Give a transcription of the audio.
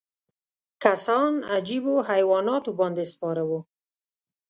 کسان عجیبو حیواناتو باندې سپاره وو.